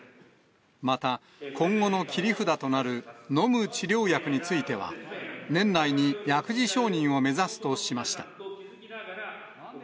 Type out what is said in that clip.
また、今後の切り札となる飲む治療薬については、年内に薬事承認を目指すとしました。